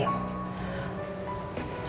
setelah melihat rekaman itu